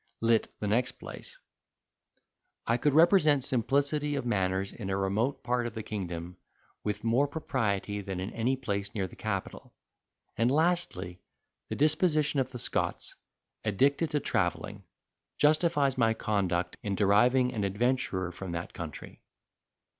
In the next place, I could represent simplicity of manners in a remote part of the kingdom, with more propriety than in any place near the capital; and lastly, the disposition of the Scots, addicted to travelling, justifies my conduct in deriving an adventurer from that country.